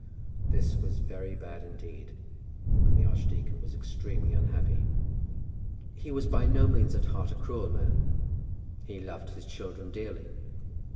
This was very bad indeed, and the archdeacon was extremely unhappy. He was by no means at heart a cruel man. He loved his children dearly.